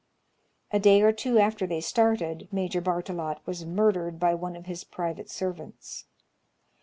A day or two after they started, Major Barttelot was murdered by one of his private servants.